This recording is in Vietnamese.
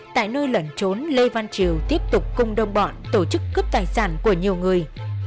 tại nơi lẩn trốn lê văn triều tiếp tục cùng đồng bọn tổ chức cướp tài sản của nhiều người